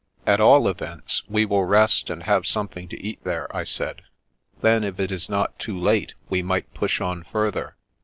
" At all events, we will rest and have something to eat there," I said. " Then, if it be not too late, we might push on further.